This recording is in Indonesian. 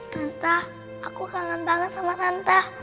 santa aku kangen banget sama tante